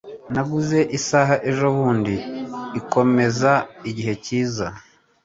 Naguze isaha ejobundi. Ikomeza igihe cyiza.